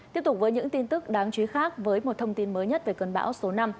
tiếp tục với những tin tức đáng chú ý khác với một thông tin mới nhất về cơn bão số năm